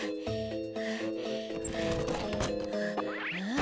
あ？